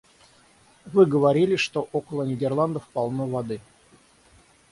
Вы говорили, что около Нидерландов полно воды.